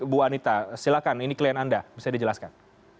bu anita silahkan ini klien anda bisa dijelaskan